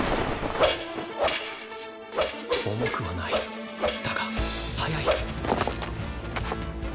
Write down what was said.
重くはないだが速い！